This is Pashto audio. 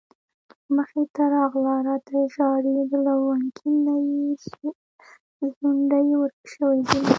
مخې ته راغله راته ژاړي د لونګين نه يې ځونډي ورک شوي دينه